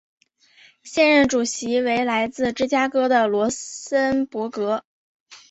现任主席为来自芝加哥的罗森博格。